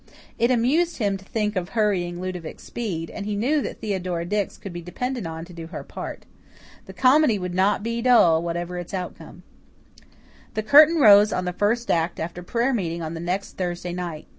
It amused him to think of hurrying Ludovic Speed, and he knew that Theodora Dix could be depended on to do her part. The comedy would not be dull, whatever its outcome. The curtain rose on the first act after prayer meeting on the next Thursday night.